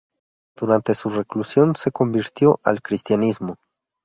Durante su reclusión, se convirtió al cristianismo.